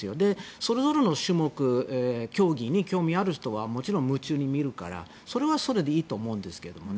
それぞれの種目、競技に興味がある人はもちろん、夢中で見るからそれはそれでいいと思うんですけどね。